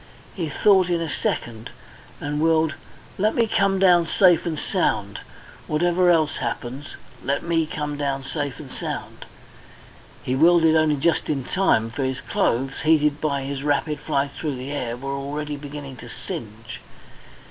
He thought in a second, and willed. "Let me come down safe and sound. Whatever else happens, let me down safe and sound." He willed it only just in time, for his clothes, heated by his rapid flight through the air, were already beginning to singe.